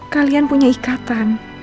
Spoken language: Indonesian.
kalian punya ikatan